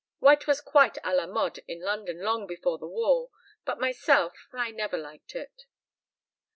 White was quite à la mode in London long before the war, but, myself, I never liked it."